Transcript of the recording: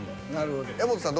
柄本さん